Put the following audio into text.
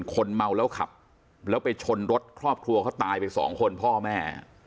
คนเมาแล้วขับแล้วไปชนรถครอบครัวเขาตายไปสองคนพ่อแม่